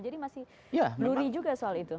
jadi masih blurry juga soal itu